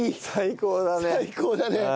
最高だね。